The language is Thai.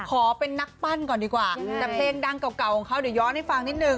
ขอเป็นนักปั้นก่อนดีกว่าแต่เพลงดังเก่าของเขาเดี๋ยวย้อนให้ฟังนิดนึง